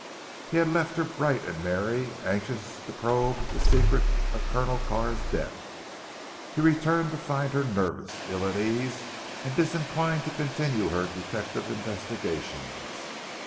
He had left her bright and merry, anxious to probe the secret of Colonel Carr's death. He returned to find her nervous, ill at ease, and disinclined to continue her detective investigations.